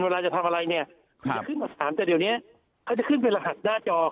เวลาจะทำอะไรส่วนหนึ่งจะถามก็จะขึ้นเป็นรหัสหน้าจอ